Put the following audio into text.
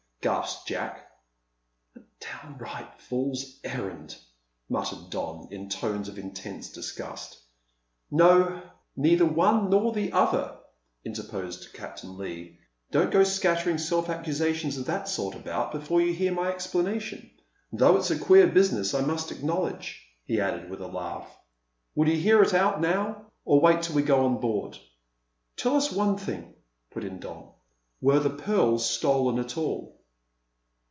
gasped Jack. "A downright fool's errand!" muttered Don, in tones of intense disgust. "No; neither one nor the other," interposed Captain Leigh. "Don't go scattering self accusations of that sort about before you hear my explanation though it's a queer business, I must acknowledge," he added, with a laugh. "Will you hear it out now or wait till we go on board?" "Tell us one thing," put in Don; "were the pearls stolen at all?"